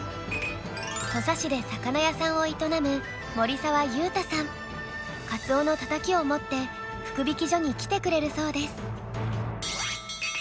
土佐市で魚屋さんを営むカツオのたたきを持って福引き所に来てくれるそうです。